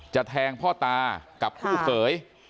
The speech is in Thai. จะแทงพ่อตากับผู้เกย